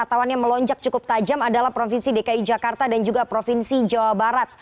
ketawan yang melonjak cukup tajam adalah provinsi dki jakarta dan juga provinsi jawa barat